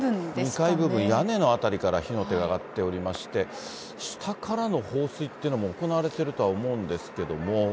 ２階部分、屋根の辺りから火の手が上がっておりまして、下からの放水っていうのも行われてるとは思うんですけれども。